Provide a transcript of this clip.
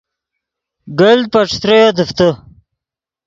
گلت پے ݯتریو ام دیفتے